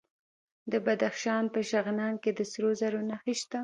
د بدخشان په شغنان کې د سرو زرو نښې شته.